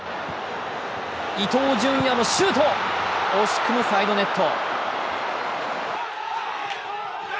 伊東純也のシュート、惜しくもサイドネット。